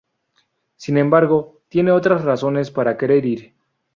Sin embargo, tiene otras razones para querer ir.